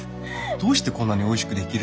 どうしてこんなにおいしくできるのですか？